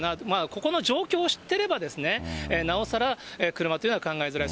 ここの状況を知ってれば、なおさら車っていうのは考えづらい。